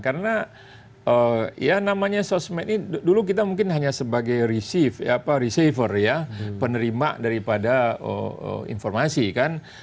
karena ya namanya sosmed ini dulu kita mungkin hanya sebagai receiver ya penerima daripada informasi kan